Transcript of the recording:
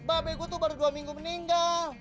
bape gue tuh baru dua minggu meninggal